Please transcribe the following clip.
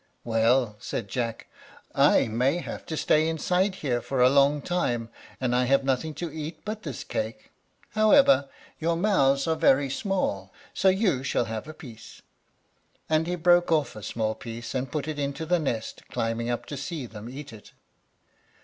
"Well," said Jack, "I may have to stay inside here for a long time, and I have nothing to eat but this cake; however, your mouths are very small, so you shall have a piece;" and he broke off a small piece, and put it into the nest, climbing up to see them eat it.